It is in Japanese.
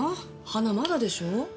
花まだでしょう？